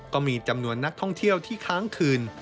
ก็มีจำนวนนักท่องเที่ยวที่ค้างคืน